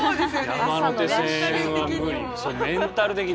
山手線は無理。